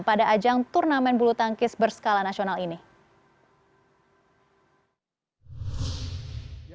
pada ajang turnamen bulu tangkis berskala nasional ini